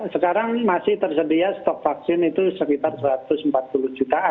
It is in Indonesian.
sekarang masih tersedia stok vaksin itu sekitar satu ratus empat puluh juta